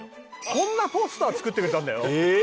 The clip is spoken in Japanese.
こんなポスター作ってくれたんだよ。